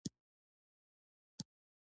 د زړه د ضربان د تنظیم لپاره کیله وخورئ